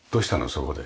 そこで。